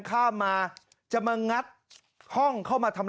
มาทำบ้านผมทำไม